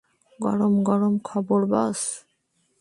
গরম গরম খবর, বস!